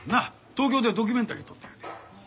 東京ではドキュメンタリー撮ったんやて。